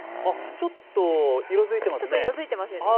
ちょっと色づいていますね。